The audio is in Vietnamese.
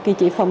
cái chế phẩm